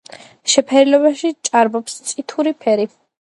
შეფერილობაში ჭარბობს წითური ფერი.